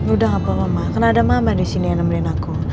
udah gak apa mama karena ada mama disini yang nemenin aku